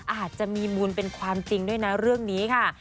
อาจจะมีมูลเป็นความจริงด้วยนะเรื่องนี้ค่ะ